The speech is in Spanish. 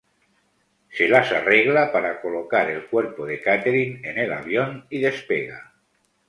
Se las arregla para colocar el cuerpo de Katherine en el avión y despega.